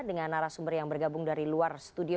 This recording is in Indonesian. dengan narasumber yang bergabung dari luar studio